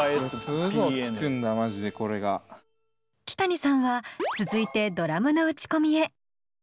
キタニさんは続いてドラムの打ち込みへ。